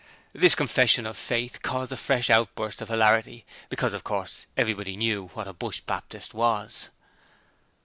This confession of faith caused a fresh outburst of hilarity, because of course everyone knew what a Bush Baptist was.